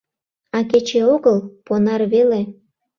А кече огыл, понар веле.